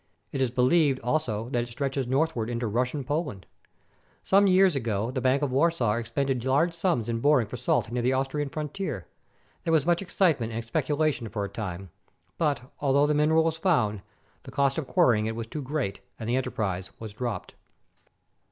It is believed, also, that it stretches northward into Russian Poland. Some years ago the Bank of Warsaw expended large sums in boring for salt near the Austrian frontier. There was much excitement and speculation for a time ; but, although the mineral was found, the cost of quar rying it was too great, and the enterprise was dropped.